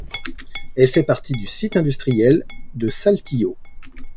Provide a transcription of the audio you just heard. Elle fait partie du site industriel de Saltillo.